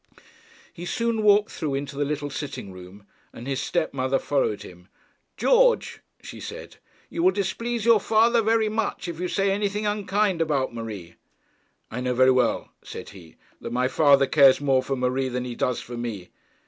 He soon walked through into the little sitting room, and his step mother followed him. 'George,' she said, 'you will displease your father very much if you say anything unkind about Marie.' 'I know very well,' said he, 'that my father cares more for Marie than he does for me.'